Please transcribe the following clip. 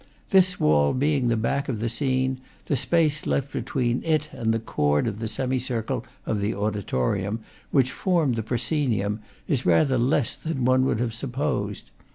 This wall being the back of the scene, the space left be tween it and the chord of the semicircle (of the audi torium) which formed the proscenium is rather less than one would have supposed.